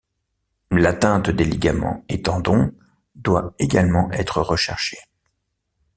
L'atteinte des ligaments et tendons doit également être recherchée.